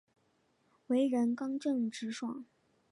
为人刚正直爽。